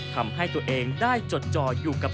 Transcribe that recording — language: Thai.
ทำให้ตัวเองได้จดจ่ออยู่กับ